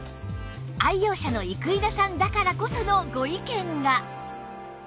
愛用者の生稲さんだからこそのご意見が